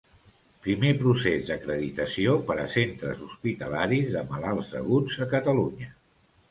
Primer procés d'acreditació per a centres hospitalaris de malalts aguts a Catalunya.